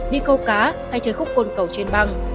đi câu cá hay chơi khúc côn cầu trên băng